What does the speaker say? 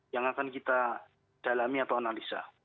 yang akan kita dalami atau analisa